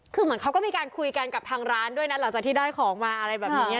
คือเหมือนเขาก็มีการคุยกันกับทางร้านด้วยนะหลังจากที่ได้ของมาอะไรแบบนี้